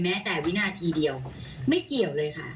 แม้แต่วินาทีเดียวไม่เกี่ยวเลยค่ะ